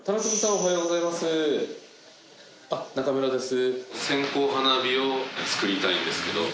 おはようございます中村です。